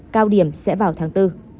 cao điểm sẽ vào tháng bốn